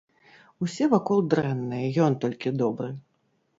Усе вакол дрэнныя, ён толькі добры.